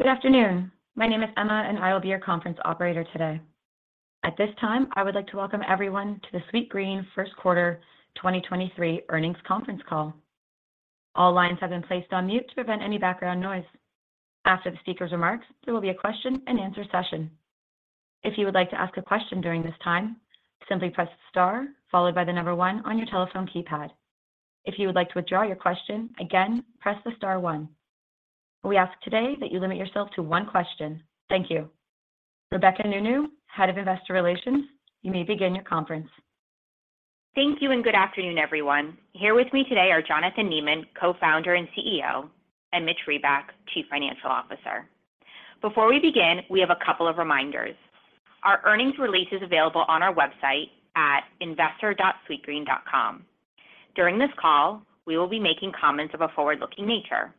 Good afternoon. My name is Emma, and I will be your conference operator today. At this time, I would like to welcome everyone to the Sweetgreen First Quarter 2023 Earnings Conference Call. All lines have been placed on mute to prevent any background noise. After the speaker's remarks, there will be a question-and-answer session. If you would like to ask a question during this time, simply press star followed by the number one on your telephone keypad. If you would like to withdraw your question, again, press the star one. We ask today that you limit yourself to one question. Thank you. Rebecca Nounou, Head of Investor Relations, you may begin your conference. Thank you, and good afternoon, everyone. Here with me today are Jonathan Neman, Co-founder and CEO, and Mitch Reback, Chief Financial Officer. Before we begin, we have a couple of reminders. Our earnings release is available on our website at investor.sweetgreen.com. During this call, we will be making comments of a forward-looking nature.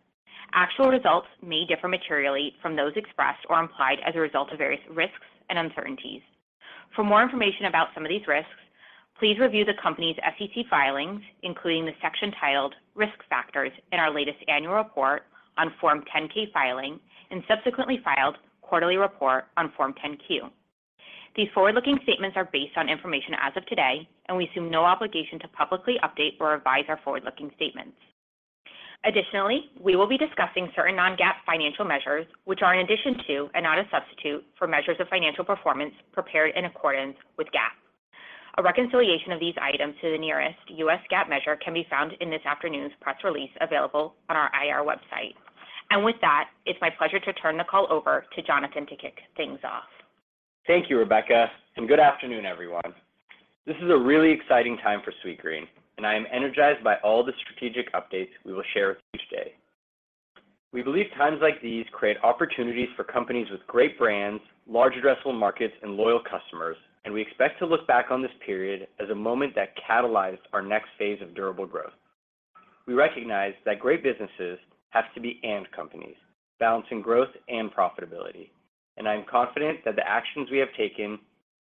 Actual results may differ materially from those expressed or implied as a result of various risks and uncertainties. For more information about some of these risks, please review the company's SEC filings, including the section titled Risk Factors in our latest Annual Report on Form 10-K filing and subsequently filed quarterly report on Form 10-Q. These forward-looking statements are based on information as of today, and we assume no obligation to publicly update or revise our forward-looking statements. Additionally, we will be discussing certain non-GAAP financial measures, which are in addition to and not a substitute for measures of financial performance prepared in accordance with GAAP. A reconciliation of these items to the nearest U.S. GAAP measure can be found in this afternoon's press release available on our IR website. With that, it's my pleasure to turn the call over to Jonathan to kick things off. Thank you, Rebecca. Good afternoon, everyone. This is a really exciting time for Sweetgreen, and I am energized by all the strategic updates we will share with you today. We believe times like these create opportunities for companies with great brands, large addressable markets, and loyal customers, and we expect to look back on this period as a moment that catalyzed our next phase of durable growth. We recognize that great businesses have to be companies balancing growth and profitability, and I am confident that the actions we have taken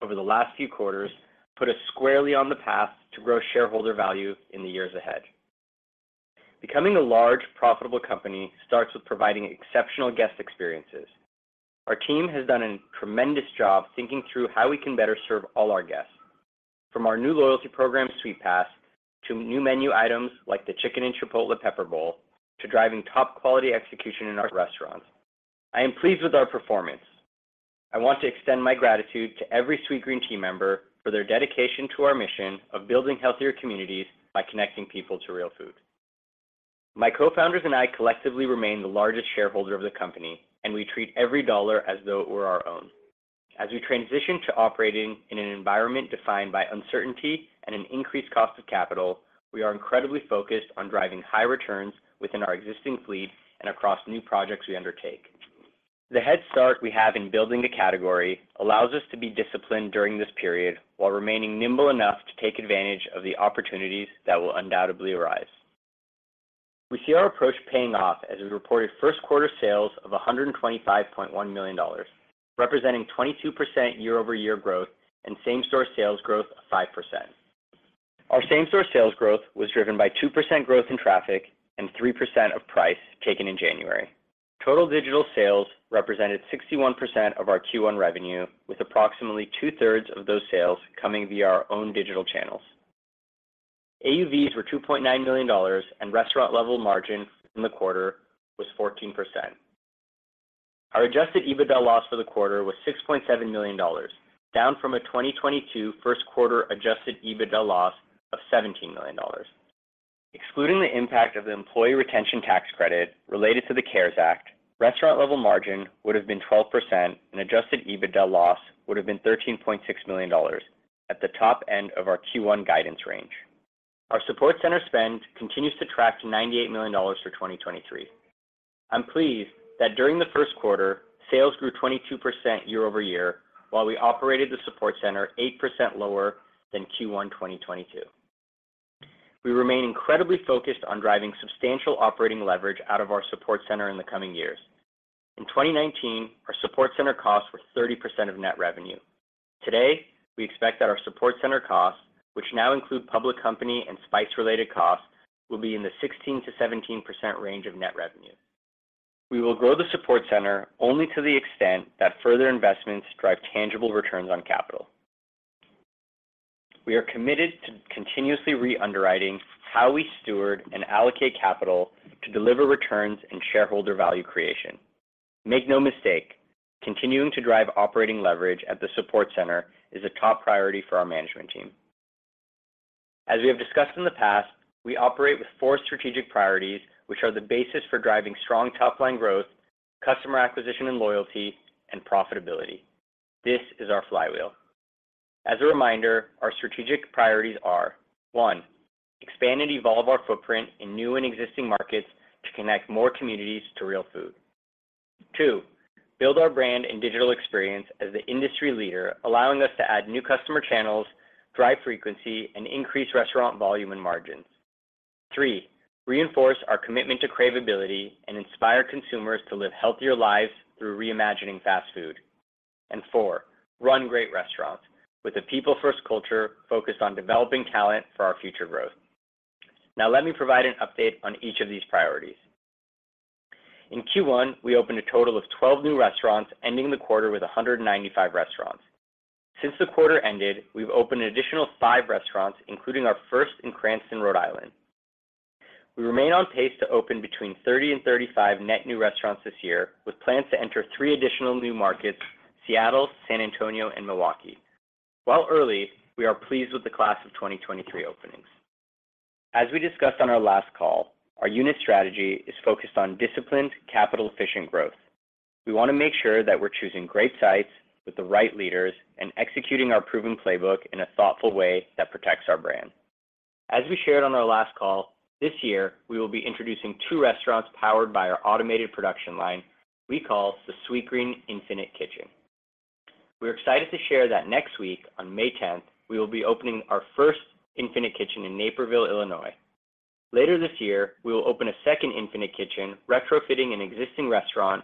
over the last few quarters put us squarely on the path to grow shareholder value in the years ahead. Becoming a large, profitable company starts with providing exceptional guest experiences. Our team has done a tremendous job thinking through how we can better serve all our guests. From our new loyalty program, Sweetpass, to new menu items like the Chicken + Chipotle Pepper Bowl, to driving top quality execution in our restaurants. I am pleased with our performance. I want to extend my gratitude to every Sweetgreen team member for their dedication to our mission of building healthier communities by connecting people to real food. My co-founders and I collectively remain the largest shareholder of the company. We treat every dollar as though it were our own. As we transition to operating in an environment defined by uncertainty and an increased cost of capital, we are incredibly focused on driving high returns within our existing fleet and across new projects we undertake. The head start we have in building the category allows us to be disciplined during this period while remaining nimble enough to take advantage of the opportunities that will undoubtedly arise. We see our approach paying off as we reported first quarter sales of $125.1 million, representing 22% year-over-year growth and same-store sales growth of 5%. Our same-store sales growth was driven by 2% growth in traffic and 3% of price taken in January. Total digital sales represented 61% of our Q1 revenue, with approximately 2/3 of those sales coming via our own digital channels. AUVs were $2.9 million, and restaurant-level margin in the quarter was 14%. Our Adjusted EBITDA loss for the quarter was $6.7 million, down from a 2022 first quarter Adjusted EBITDA loss of $17 million. Excluding the impact of the Employee Retention Tax Credit related to the CARES Act, restaurant-level margin would have been 12% and Adjusted EBITDA loss would have been $13.6 million at the top end of our Q1 guidance range. Our support center spend continues to track to $98 million for 2023. I'm pleased that during the first quarter, sales grew 22% year-over-year while we operated the support center 8% lower than Q1 2022. We remain incredibly focused on driving substantial operating leverage out of our support center in the coming years. In 2019, our support center costs were 30% of net revenue. Today, we expect that our support center costs, which now include public company and Spyce related costs, will be in the 16%-17% range of net revenue. We will grow the support center only to the extent that further investments drive tangible returns on capital. We are committed to continuously re-underwriting how we steward and allocate capital to deliver returns and shareholder value creation. Make no mistake, continuing to drive operating leverage at the support center is a top priority for our management team. As we have discussed in the past, we operate with four strategic priorities, which are the basis for driving strong top line growth, customer acquisition and loyalty, and profitability. This is our flywheel. As a reminder, our strategic priorities are, one, expand and evolve our footprint in new and existing markets to connect more communities to real food. Two, build our brand and digital experience as the industry leader, allowing us to add new customer channels, drive frequency, and increase restaurant volume and margins. Three, reinforce our commitment to cravability and inspire consumers to live healthier lives through reimagining fast food. Four, run great restaurants with a people first culture focused on developing talent for our future growth. Now let me provide an update on each of these priorities. In Q1, we opened a total of 12 new restaurants, ending the quarter with 195 restaurants. Since the quarter ended, we've opened an additional five restaurants, including our first in Cranston, Rhode Island. We remain on pace to open between 30 and 35 net new restaurants this year, with plans to enter three additional new markets: Seattle, San Antonio, and Milwaukee. While early, we are pleased with the Class of 2023 Openings. As we discussed on our last call, our unit strategy is focused on disciplined capital efficient growth. We want to make sure that we're choosing great sites with the right leaders and executing our proven playbook in a thoughtful way that protects our brand. As we shared on our last call, this year we will be introducing two restaurants powered by our automated production line we call the Sweetgreen Infinite Kitchen. We're excited to share that next week, on May 10th, we will be opening our first Infinite Kitchen in Naperville, Illinois. Later this year, we will open a second Infinite Kitchen, retrofitting an existing restaurant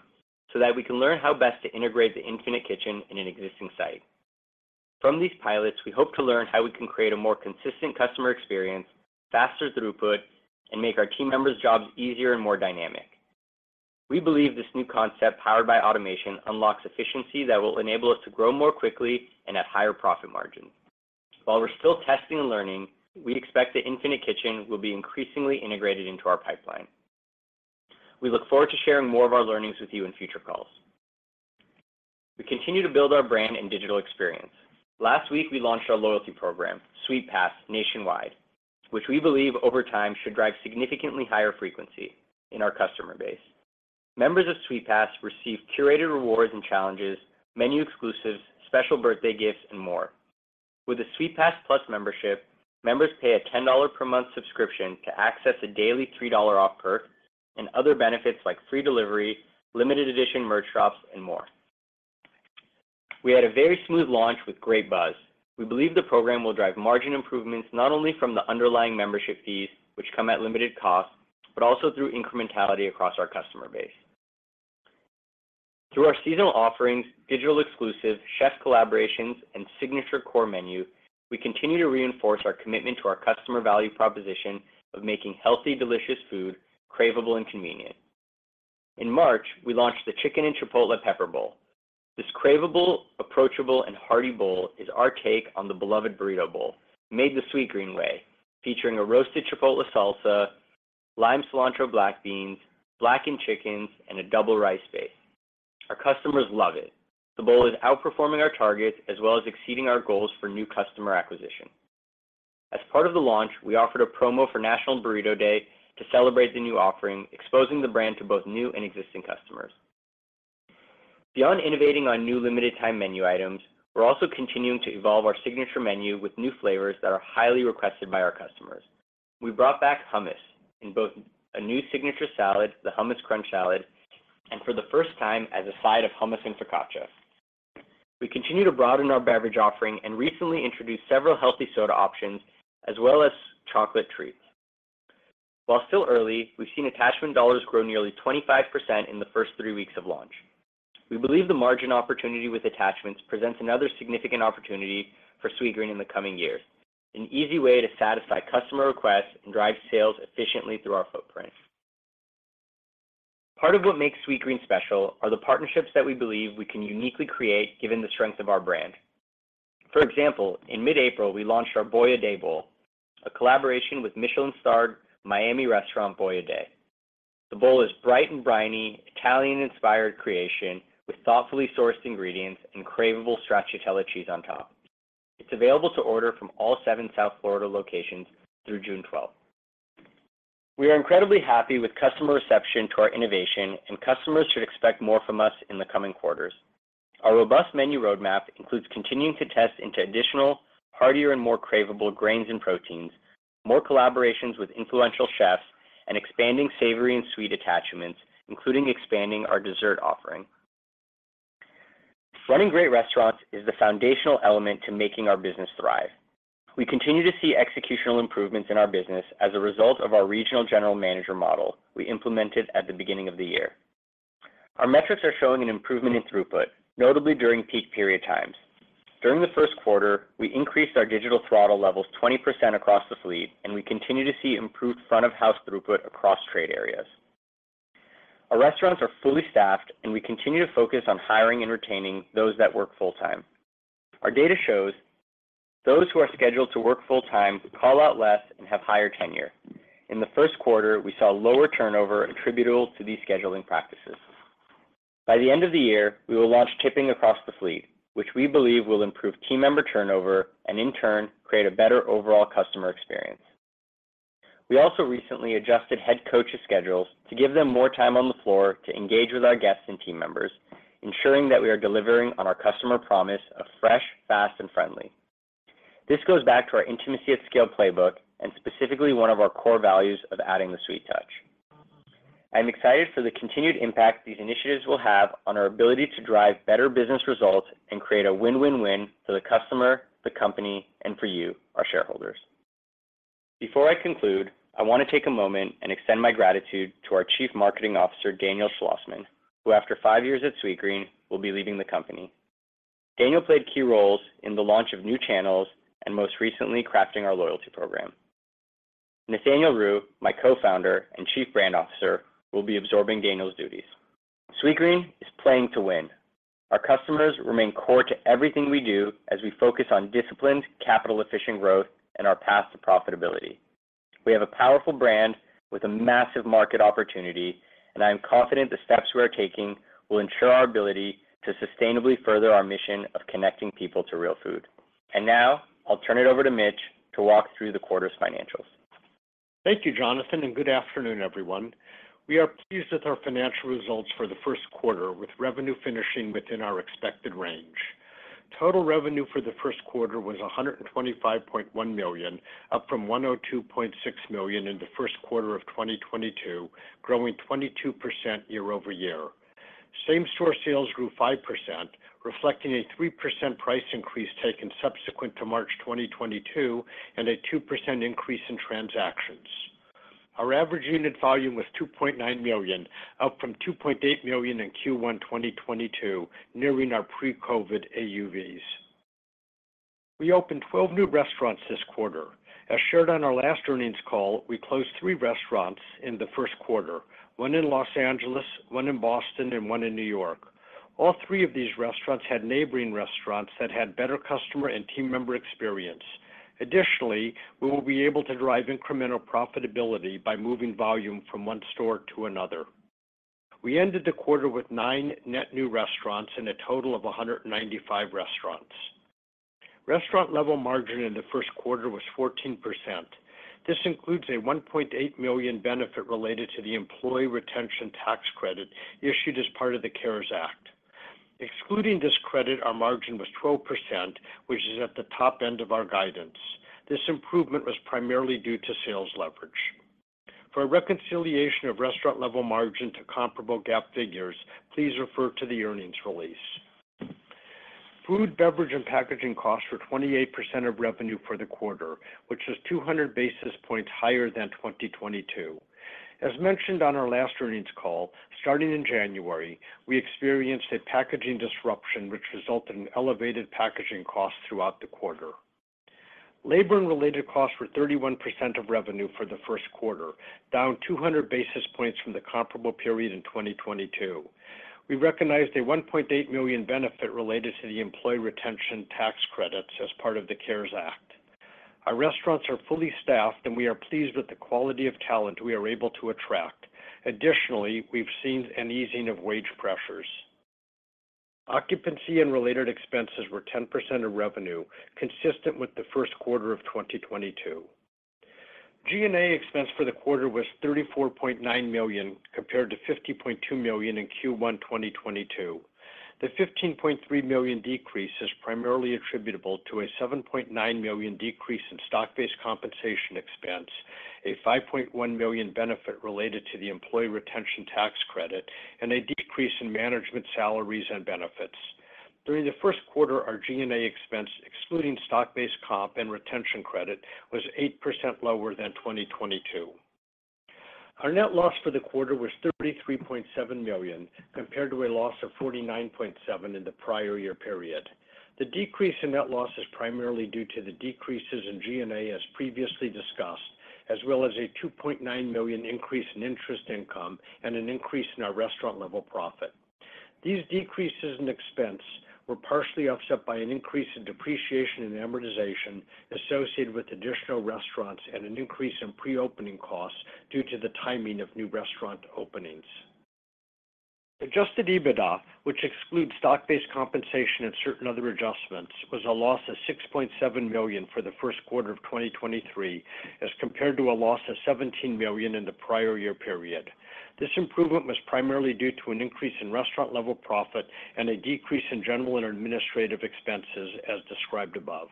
so that we can learn how best to integrate the Infinite Kitchen in an existing site. From these pilots, we hope to learn how we can create a more consistent customer experience, faster throughput, and make our team members' jobs easier and more dynamic. We believe this new concept powered by automation, unlocks efficiency that will enable us to grow more quickly and at higher profit margin. While we're still testing and learning, we expect the Infinite Kitchen will be increasingly integrated into our pipeline. We look forward to sharing more of our learnings with you in future calls. We continue to build our brand and digital experience. Last week, we launched our loyalty program, Sweetpass, nationwide, which we believe over time should drive significantly higher frequency in our customer base. Members of Sweetpass receive curated rewards and challenges, menu exclusives, special birthday gifts, and more. With a Sweetpass+ membership, members pay a $10 per month subscription to access a daily $3 off perk and other benefits like free delivery, limited edition merch drops, and more. We had a very smooth launch with great buzz. We believe the program will drive margin improvements, not only from the underlying membership fees, which come at limited cost, but also through incrementality across our customer base. Through our seasonal offerings, digital exclusive chef collaborations, and signature core menu, we continue to reinforce our commitment to our customer value proposition of making healthy, delicious food, craveable and convenient. In March, we launched the Chicken + Chipotle Pepper Bowl. This craveable, approachable, and hearty bowl is our take on the beloved burrito bowl, made the Sweetgreen way. Featuring a roasted chipotle salsa, lime cilantro black beans, blackened chicken, and a double rice base. Our customers love it. The bowl is outperforming our targets as well as exceeding our goals for new customer acquisition. As part of the launch, we offered a promo for National Burrito Day to celebrate the new offering, exposing the brand to both new and existing customers. Beyond innovating on new limited time menu items, we're also continuing to evolve our signature menu with new flavors that are highly requested by our customers. We brought back hummus in both a new signature salad, the Hummus Crunch Salad, and for the first time as a side of hummus and focaccia. We continue to broaden our beverage offering and recently introduced several healthy soda options as well as chocolate treats. While still early, we've seen attachment dollars grow nearly 25% in the first three weeks of launch. We believe the margin opportunity with attachments presents another significant opportunity for Sweetgreen in the coming years, an easy way to satisfy customer requests and drive sales efficiently through our footprint. Part of what makes Sweetgreen special are the partnerships that we believe we can uniquely create given the strength of our brand. For example, in mid-April, we launched our Boia De Bowl, a collaboration with Michelin-starred Miami restaurant, Boia De. The bowl is bright and briny, Italian inspired creation with thoughtfully sourced ingredients and craveable stracciatella cheese on top. It's available to order from all seven South Florida locations through June 12th. We are incredibly happy with customer reception to our innovation, and customers should expect more from us in the coming quarters. Our robust menu roadmap includes continuing to test into additional heartier and more craveable grains and proteins, more collaborations with influential chefs and expanding savory and sweet attachments, including expanding our dessert offering. Running great restaurants is the foundational element to making our business thrive. We continue to see executional improvements in our business as a result of our regional general manager model we implemented at the beginning of the year. Our metrics are showing an improvement in throughput, notably during peak period times. During the first quarter, we increased our digital throttle levels 20% across the fleet. We continue to see improved front of house throughput across trade areas. Our restaurants are fully staffed and we continue to focus on hiring and retaining those that work full-time. Our data shows those who are scheduled to work full-time call out less and have higher tenure. In the first quarter, we saw lower turnover attributable to these scheduling practices. By the end of the year, we will launch tipping across the fleet, which we believe will improve team member turnover and in turn, create a better overall customer experience. We also recently adjusted head coaches schedules to give them more time on the floor to engage with our guests and team members, ensuring that we are delivering on our customer promise of fresh, fast, and friendly. This goes back to our intimacy at scale playbook and specifically one of our core values of adding the sweet touch. I'm excited for the continued impact these initiatives will have on our ability to drive better business results and create a win-win-win for the customer, the company, and for you, our shareholders. Before I conclude, I want to take a moment and extend my gratitude to our Chief Marketing Officer, Daniel Shlossman, who after five years at Sweetgreen, will be leaving the company. Daniel played key roles in the launch of new channels and most recently crafting our loyalty program. Nathaniel Ru, my co-founder and Chief Brand Officer, will be absorbing Daniel's duties. Sweetgreen is playing to win. Our customers remain core to everything we do as we focus on disciplined, capital efficient growth and our path to profitability. We have a powerful brand with a massive market opportunity, and I am confident the steps we are taking will ensure our ability to sustainably further our mission of connecting people to real food. Now I'll turn it over to Mitch to walk through the quarter's financials. Thank you, Jonathan, good afternoon, everyone. We are pleased with our financial results for the first quarter, with revenue finishing within our expected range. Total revenue for the first quarter was $125.1 million, up from $102.6 million in the first quarter of 2022, growing 22% year-over-year. Same-store sales grew 5%, reflecting a 3% price increase taken subsequent to March 2022 and a 2% increase in transactions. Our average unit volume was $2.9 million, up from $2.8 million in Q1 2022, nearing our pre-COVID AUVs. We opened 12 new restaurants this quarter. As shared on our last earnings call, we closed three restaurants in the first quarter, one in Los Angeles, one in Boston, and one in New York. All three of these restaurants had neighboring restaurants that had better customer and team member experience. Additionally, we will be able to drive incremental profitability by moving volume from one store to another. We ended the quarter with nine net new restaurants and a total of 195 restaurants. Restaurant-level margin in the first quarter was 14%. This includes a $1.8 million benefit related to the Employee Retention Tax Credit issued as part of the CARES Act. Excluding this credit, our margin was 12%, which is at the top end of our guidance. For a reconciliation of restaurant-level margin to comparable GAAP figures, please refer to the Earnings Release. Food, Beverage, and Packaging costs were 28% of revenue for the quarter, which is 200 basis points higher than 2022. As mentioned on our last earnings call, starting in January, we experienced a packaging disruption which resulted in elevated packaging costs throughout the quarter. Labor and related costs were 31% of revenue for the first quarter, down 200 basis points from the comparable period in 2022. We recognized a $1.8 million benefit related to the Employee Retention Tax Credits as part of the CARES Act. Our restaurants are fully staffed. We are pleased with the quality of talent we are able to attract. Additionally, we've seen an easing of wage pressures. Occupancy and related expenses were 10% of revenue, consistent with the first quarter of 2022. G&A expense for the quarter was $34.9 million, compared to $50.2 million in Q1 2022. The $15.3 million decrease is primarily attributable to a $7.9 million decrease in stock-based compensation expense, a $5.1 million benefit related to the Employee Retention Tax Credit, and a decrease in management salaries and benefits. During the first quarter, our G&A expense, excluding stock-based comp and retention credit, was 8% lower than 2022. Our net loss for the quarter was $33.7 million, compared to a loss of $49.7 million in the prior year period. The decrease in net loss is primarily due to the decreases in G&A, as previously discussed, as well as a $2.9 million increase in interest income and an increase in our restaurant-level profit. These decreases in expense were partially offset by an increase in depreciation and amortization associated with additional restaurants and an increase in pre-opening costs due to the timing of new restaurant openings. Adjusted EBITDA, which excludes stock-based compensation and certain other adjustments, was a loss of $6.7 million for the first quarter of 2023, as compared to a loss of $17 million in the prior year period. This improvement was primarily due to an increase in restaurant level profit and a decrease in general and administrative expenses, as described above.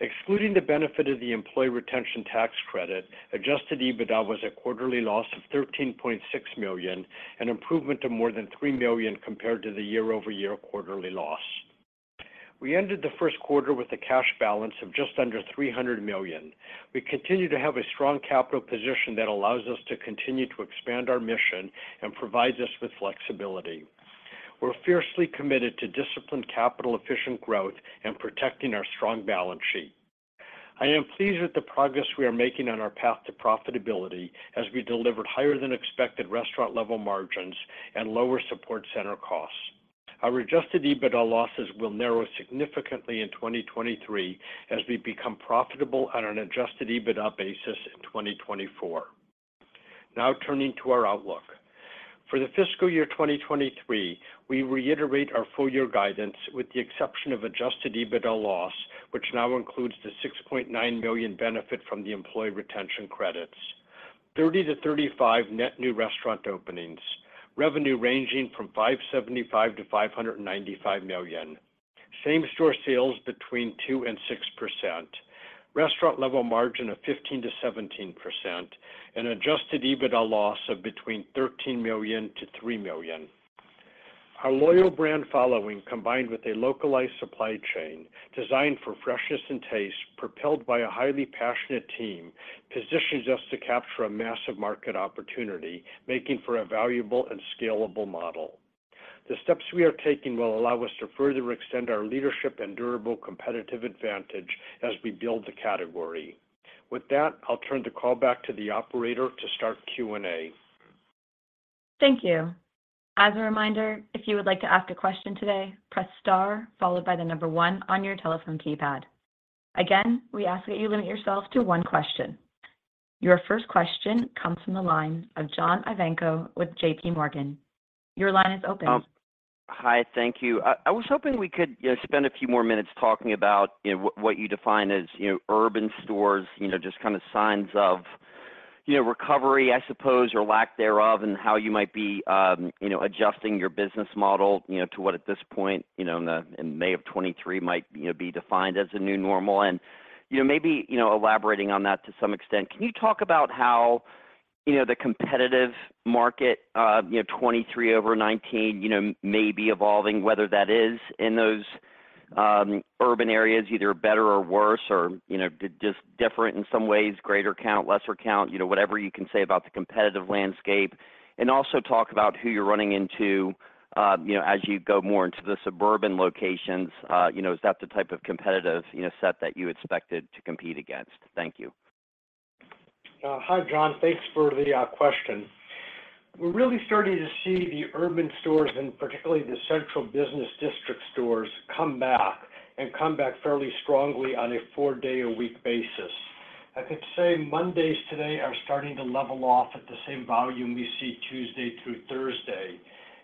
Excluding the benefit of the Employee Retention Tax Credit, Adjusted EBITDA was a quarterly loss of $13.6 million, an improvement of more than $3 million compared to the year-over-year quarterly loss. We ended the first quarter with a cash balance of just under $300 million. We continue to have a strong capital position that allows us to continue to expand our mission and provides us with flexibility. We are fiercely committed to disciplined capital efficient growth and protecting our strong balance sheet. I am pleased with the progress we are making on our path to profitability as we delivered higher than expected restaurant-level margins and lower support center costs. Our Adjusted EBITDA losses will narrow significantly in 2023 as we become profitable on an Adjusted EBITDA basis in 2024. Turning to our outlook. For the fiscal year 2023, we reiterate our full year guidance with the exception of Adjusted EBITDA loss, which now includes the $6.9 million benefit from the Employee Retention credits. 30-35 net new restaurant openings, revenue ranging from $575 million-$595 million, same-store sales between 2%-6%, restaurant-level margin of 15%-17%, an Adjusted EBITDA loss of between $13 million-$3 million. Our loyal brand following, combined with a localized supply chain designed for freshness and taste, propelled by a highly passionate team, positions us to capture a massive market opportunity, making for a valuable and scalable model. The steps we are taking will allow us to further extend our leadership and durable competitive advantage as we build the category. With that, I'll turn the call back to the operator to start Q&A. Thank you. As a reminder, if you would like to ask a question today, press star followed by one on your telephone keypad. Again, we ask that you limit yourself to one question. Your first question comes from the line of John Ivankoe with JPMorgan. Your line is open. Hi. Thank you. I was hoping we could, you know, spend a few more minutes talking about, you know, what you define as, you know, urban stores. You know, just kind of signs of, you know, recovery, I suppose, or lack thereof, and how you might be, you know, adjusting your business model, you know, to what at this point, you know, in May of 2023 might, you know, be defined as a new normal. Maybe, you know, elaborating on that to some extent, can you talk about how, you know, the competitive market, you know, 2023 over 2019, you know, may be evolving, whether that is in those, urban areas, either better or worse or, you know, just different in some ways, greater count, lesser count, you know, whatever you can say about the competitive landscape. Also talk about who you're running into, you know, as you go more into the suburban locations. You know, is that the type of competitive, you know, set that you expected to compete against? Thank you. Hi, John. Thanks for the question. We're really starting to see the urban stores, and particularly the central business district stores, come back and come back fairly strongly on a four day a week basis. I could say Mondays today are starting to level off at the same volume we see Tuesday through Thursday.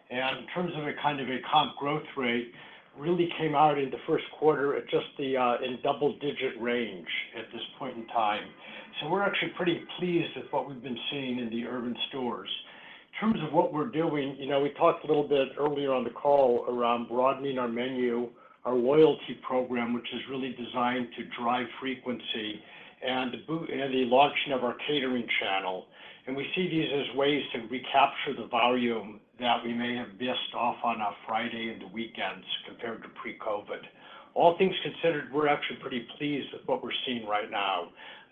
In terms of a kind of a comp growth rate, really came out in the first quarter at just the double-digit range at this point in time. We're actually pretty pleased with what we've been seeing in the urban stores. In terms of what we're doing, you know, we talked a little bit earlier on the call around broadening our menu, our loyalty program, which is really designed to drive frequency and the launching of our catering channel. We see these as ways to recapture the volume that we may have missed off on a Friday and the weekends compared to pre-COVID. All things considered, we're actually pretty pleased with what we're seeing right now.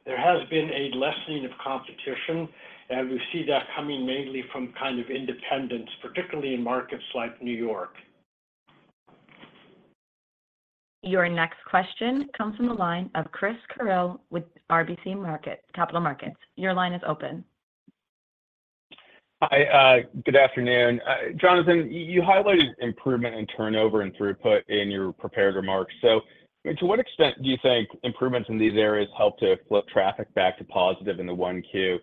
There has been a lessening of competition. We see that coming mainly from kind of independents, particularly in markets like New York. Your next question comes from the line of Chris Carril with RBC Capital Markets. Your line is open. Hi. Good afternoon. Jonathan, you highlighted improvement in turnover and throughput in your prepared remarks. To what extent do you think improvements in these areas help to flip traffic back to positive in the 1Q?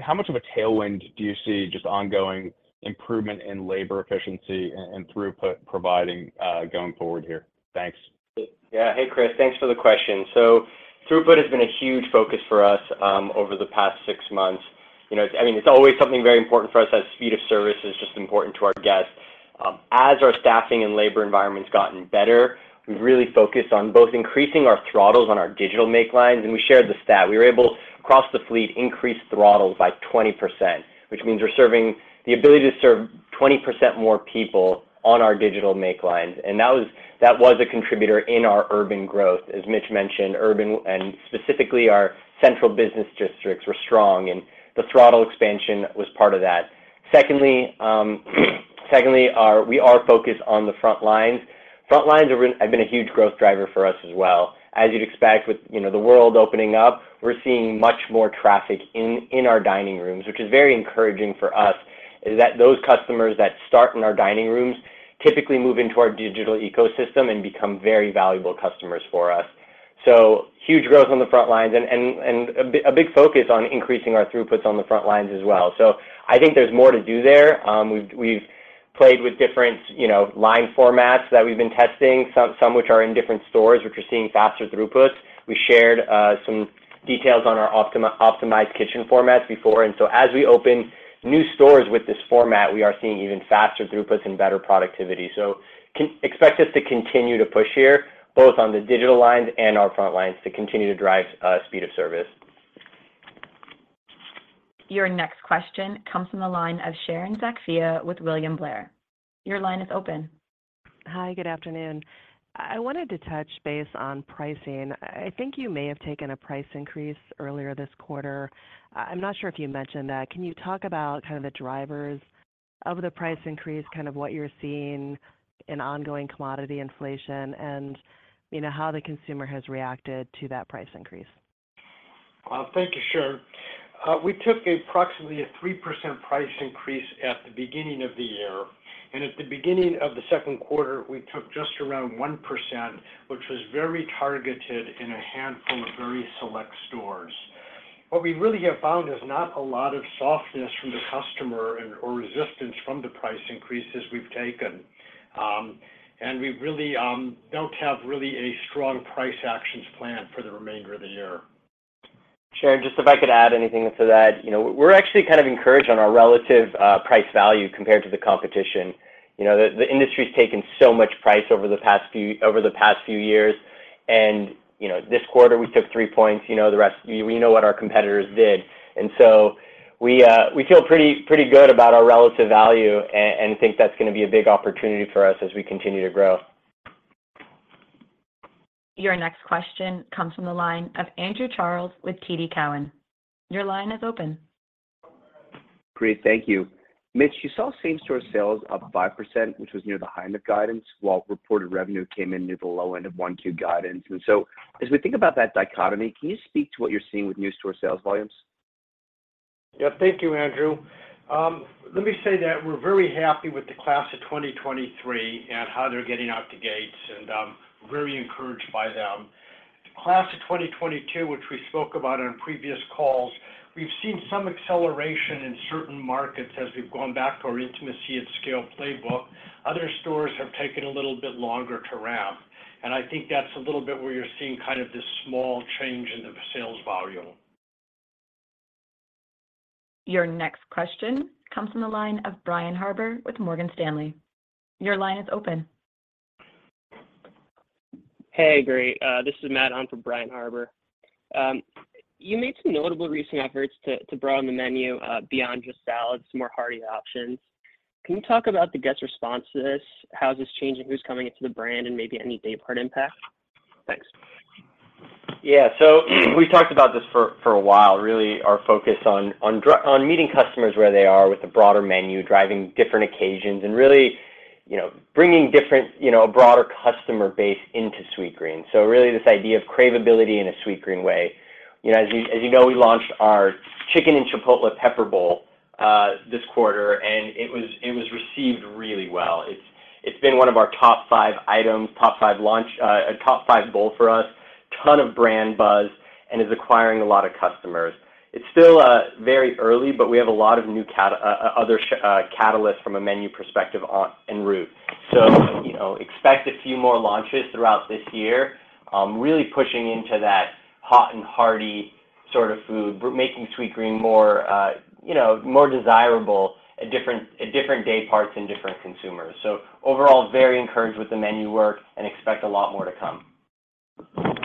How much of a tailwind do you see just ongoing improvement in labor efficiency and throughput providing going forward here? Thanks. Yeah. Hey, Chris Thanks for the question. Throughput has been a huge focus for us over the past six months. You know, I mean, it's always something very important for us as speed of service is just important to our guests. As our staffing and labor environment's gotten better, we've really focused on both increasing our throttles on our digital make lines, and we shared the stat. We were able, across the fleet, increase throttles by 20%, which means we're serving the ability to serve 20% more people on our digital make lines. That was a contributor in our urban growth. As Mitch mentioned, urban and specifically our central business districts were strong, the throttle expansion was part of that. Secondly, we are focused on the front lines. Front lines have been a huge growth driver for us as well. As you'd expect with, you know, the world opening up, we're seeing much more traffic in our dining rooms, which is very encouraging for us, is that those customers that start in our dining rooms typically move into our digital ecosystem and become very valuable customers for us. Huge growth on the front lines and a big focus on increasing our throughputs on the front lines as well. I think there's more to do there. We've played with different, you know, line formats that we've been testing, some which are in different stores, which are seeing faster throughputs. We shared, some details on our optimized kitchen formats before. As we open new stores with this format, we are seeing even faster throughputs and better productivity. Expect us to continue to push here, both on the digital lines and our front lines to continue to drive, speed of service. Your next question comes from the line of Sharon Zackfia with William Blair. Your line is open. Hi, good afternoon. I wanted to touch base on pricing. I think you may have taken a price increase earlier this quarter. I'm not sure if you mentioned that. Can you talk about kind of the drivers of the price increase, kind of what you're seeing in ongoing commodity inflation and, you know, how the consumer has reacted to that price increase? Thank you, Sharon. We took approximately a 3% price increase at the beginning of the year, and at the beginning of the second quarter, we took just around 1%, which was very targeted in a handful of very select stores. What we really have found is not a lot of softness from the customer and/or resistance from the price increases we've taken. We really don't have really a strong price actions plan for the remainder of the year. Sharon, just if I could add anything to that. You know, we're actually kind of encouraged on our relative price value compared to the competition. You know, the industry's taken so much price over the past few years, and, you know, this quarter we took 3 points, you know, the rest, you know what our competitors did. We feel pretty good about our relative value and think that's gonna be a big opportunity for us as we continue to grow. Your next question comes from the line of Andrew Charles with TD Cowen. Your line is open. Great. Thank you. Mitch, you saw same-store sales up 5%, which was near the high end of guidance, while reported revenue came in near the low end of 1Q guidance. As we think about that dichotomy, can you speak to what you're seeing with new store sales volumes? Yeah. Thank you, Andrew. Let me say that we're very happy with the Class of 2023 and how they're getting out the gates and, very encouraged by them. The Class of 2022, which we spoke about on previous calls, we've seen some acceleration in certain markets as we've gone back to our Intimacy at Scale playbook. Other stores have taken a little bit longer to ramp. I think that's a little bit where you're seeing kind of this small change in the sales volume. Your next question comes from the line of Brian Harbour with Morgan Stanley. Your line is open. Hey, great. This is Matt on for Brian Harbour. You made some notable recent efforts to broaden the menu beyond just salads, some more hearty options. Can you talk about the guest response to this? How is this changing who's coming into the brand, and maybe any day part impact? Thanks. Yeah. We've talked about this for a while, really our focus on meeting customers where they are with a broader menu, driving different occasions and really, you know, bringing different, you know, a broader customer base into Sweetgreen. Really this idea of craveability in a Sweetgreen way. You know, as you know, we launched our Chicken + Chipotle Pepper Bowl this quarter, and it was received really well. It's been one of our top five items, top five launch, a top five bowl for us. Ton of brand buzz and is acquiring a lot of customers. It's still very early, but we have a lot of new other catalysts from a menu perspective on en route. You know, expect a few more launches throughout this year. Really pushing into that hot and hearty sort of food. We're making Sweetgreen more, you know, more desirable at different, at different day parts and different consumers. Overall, very encouraged with the menu work and expect a lot more to come.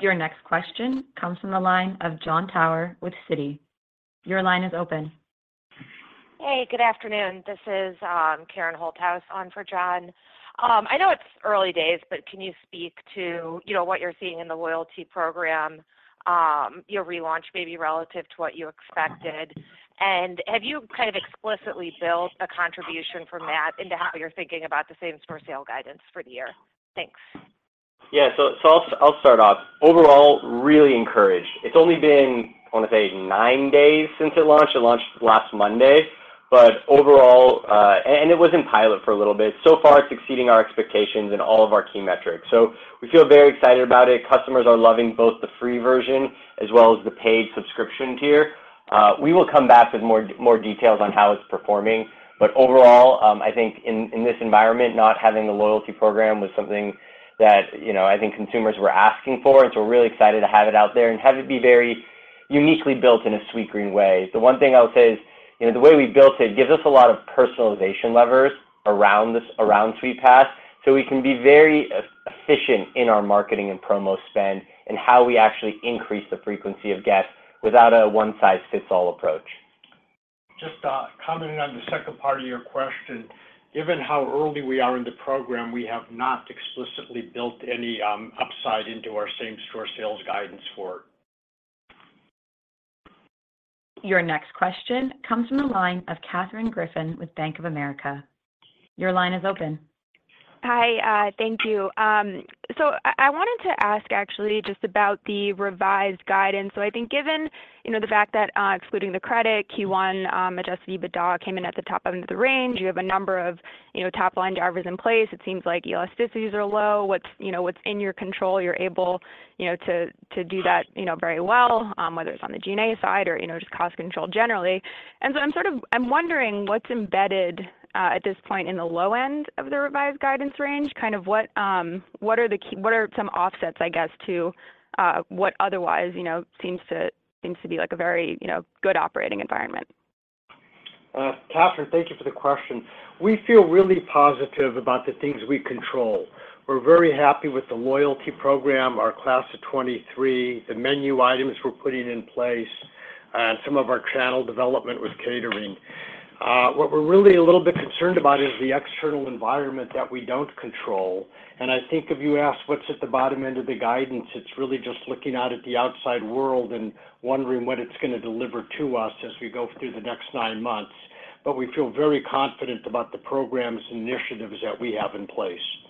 Your next question comes from the line of Jon Tower with Citi. Your line is open. Hey, good afternoon. This is Karen Holthouse on for John. I know it's early days, but can you speak to, you know, what you're seeing in the loyalty program, your relaunch maybe relative to what you expected? Have you kind of explicitly built a contribution from that into how you're thinking about the same-store sale guidance for the year? Thanks. I'll start off. Overall, really encouraged. It's only been, I wanna say, nine days since it launched. It launched last Monday. Overall. And it was in pilot for a little bit. So far, it's exceeding our expectations in all of our key metrics. We feel very excited about it. Customers are loving both the free version as well as the paid subscription tier. We will come back with more details on how it's performing. Overall, I think in this environment, not having a loyalty program was something that, you know, I think consumers were asking for, and we're really excited to have it out there and have it be very uniquely built in a Sweetgreen way. The one thing I would say is, you know, the way we built it gives us a lot of personalization levers around this, around Sweetpass, so we can be very efficient in our marketing and promo spend and how we actually increase the frequency of guests without a one-size-fits-all approach. Just commenting on the second part of your question. Given how early we are in the program, we have not explicitly built any upside into our same-store sales guidance for it. Your next question comes from the line of Katherine Griffin with Bank of America. Your line is open. Hi. Thank you. I wanted to ask actually just about the revised guidance. I think given, you know, the fact that, excluding the credit Q1, Adjusted EBITDA came in at the top end of the range. You have a number of, you know, top-line drivers in place. It seems like elasticities are low. What's, you know, what's in your control, you're able, you know, to do that, you know, very well, whether it's on the G&A side or, you know, just cost control generally. I'm wondering what's embedded at this point in the low end of the revised guidance range. Kind of what are some offsets, I guess, to, what otherwise, you know, seems to be like a very, you know, good operating environment? Katherine, thank you for the question. We feel really positive about the things we control. We're very happy with the loyalty program, our Class of 2023, the menu items we're putting in place, some of our channel development with catering. What we're really a little bit concerned about is the external environment that we don't control. I think if you ask what's at the bottom end of the guidance, it's really just looking out at the outside world and wondering what it's gonna deliver to us as we go through the next nine months. We feel very confident about the programs and initiatives that we have in place.